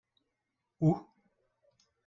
Où ?